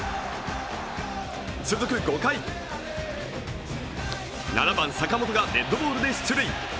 続く５回、７番・坂本がデッドボールで出塁。